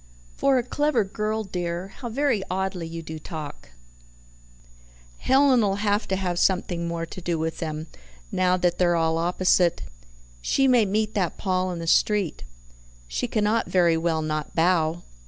"For a clever girl, dear, how very oddly you do talk. Helen'll HAVE to have something more to do with them, now that they're all opposite. She may meet that Paul in the street. She cannot very well not bow."